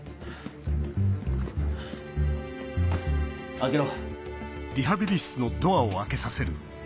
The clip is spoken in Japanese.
開けろ。